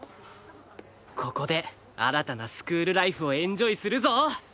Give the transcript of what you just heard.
ここで新たなスクールライフをエンジョイするぞ！